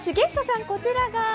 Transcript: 重久さん、こちらが？